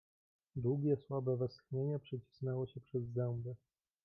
"Długie, słabe westchnienie przecisnęło się przez zęby."